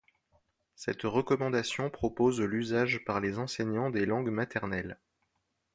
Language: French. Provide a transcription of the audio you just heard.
Cette recommandation propose l'usage par les enseignants des langues maternelles.